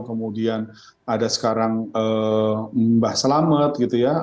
kemudian ada sekarang mbah selamet gitu ya